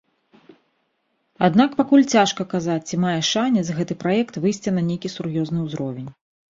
Аднак пакуль цяжка казаць, ці мае шанец гэты праект выйсці на нейкі сур'ёзны ўзровень.